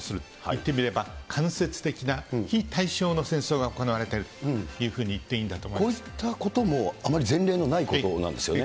言ってみれば、間接的な非対称の戦争が行われているというふうに言っていいんだこういったことも、あまり前例のないことなんですよね。